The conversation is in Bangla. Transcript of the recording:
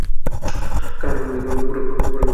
কারণ আমি পুরো গল্প জানতে আগ্রহী ছিলাম।